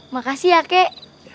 makasih ya kek